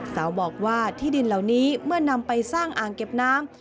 สาวบอกว่าที่ดินเหล่านี้เมื่อนำไปสร้างอ่างเก็บน้ำ